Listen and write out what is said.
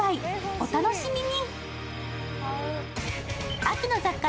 お楽しみに。